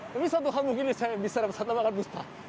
tapi satu hal mungkin yang saya bisa dapatkan adalah akan mustah